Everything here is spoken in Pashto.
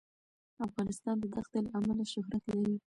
افغانستان د دښتې له امله شهرت لري.